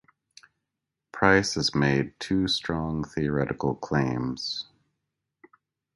Price has made two strong theoretical claims.